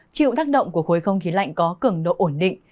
chịu tác động của khối không khí lạnh có cường độ ổn định